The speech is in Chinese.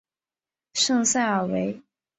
圣萨尔维。